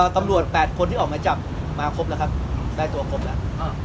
๘คนที่ออกมาจับมาครบแล้วครับได้ตัวครบแล้ว